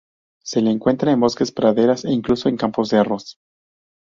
Se le encuentra en bosques, praderas e incluso en campos de arroz.